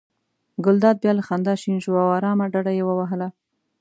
ګلداد بیا له خندا شین شو او آرامه ډډه یې ووهله.